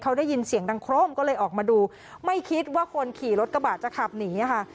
เขาได้ยินเสียงดังโครมก็เลยออกมาดูไม่คิดว่าคนขี่รถกระบะจะขับหนีค่ะ